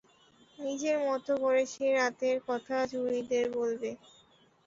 নিজের মতো করে সে রাতের কথা জুরিদের বলবে?